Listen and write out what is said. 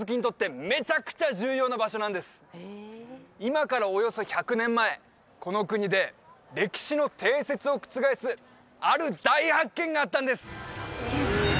今からおよそ１００年前この国で歴史の定説を覆すある大発見があったんです